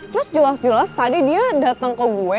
terus jelas jelas tadi dia datang ke gue